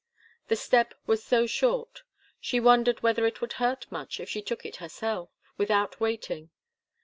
The step was so short. She wondered whether it would hurt much if she took it herself, without waiting.